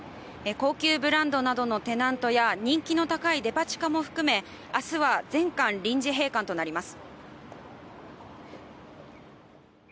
高級ブランドなどのテナントや人気の高いデパ地下も含め明日は全館臨時閉館となります。